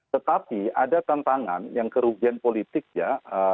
tetapi ada tantangan yang kerugian politik ya